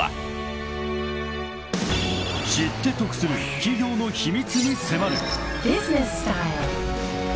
［知って得する企業の秘密に迫る］